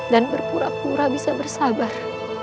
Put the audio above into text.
dan berpura pura bisa bersabar